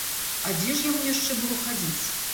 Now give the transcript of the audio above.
А дзе ж яму яшчэ было хадзіць?